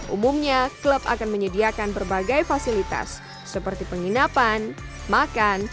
umumnya klub akan menyediakan berbagai fasilitas seperti penginapan makan